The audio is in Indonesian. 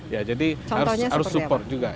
ya jadi harus support juga